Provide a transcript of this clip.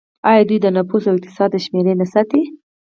آیا دوی د نفوس او اقتصاد شمیرې نه ساتي؟